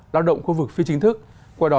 lao động khu vực phi chính thức qua đó